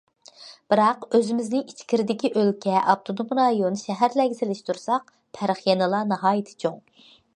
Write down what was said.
بىراق، ئۆزىمىزنى ئىچكىرىدىكى ئۆلكە، ئاپتونوم رايون، شەھەرلەرگە سېلىشتۇرساق، پەرق يەنىلا ناھايىتى چوڭ.